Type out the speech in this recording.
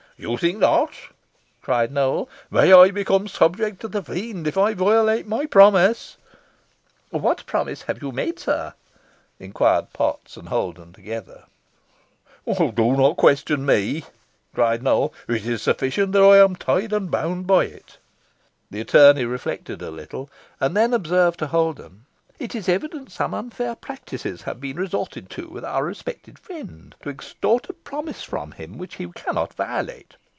"You think not!" cried Nowell. "'May I become subject to the Fiend if I violate my promise!'" "What promise have you made, sir?" inquired Potts and Holden together. "Do not question me," cried Nowell; "it is sufficient that I am tied and bound by it." The attorney reflected a little, and then observed to Holden, "It is evident some unfair practices have been resorted to with our respected friend, to extort a promise from him which he cannot violate.